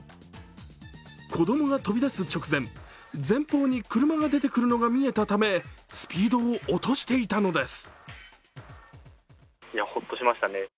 子供が飛び出す直前、前方に車が出てくるのが見えたため、スピードを落としていたのです。